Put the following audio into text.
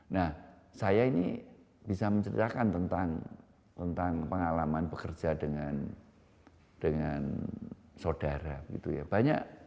nah saya ini bisa menceritakan tentang pengalaman bekerja dengan saudara gitu ya